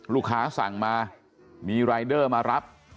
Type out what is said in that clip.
ลูกค้าสั่งมามีรายเดอร์มารับ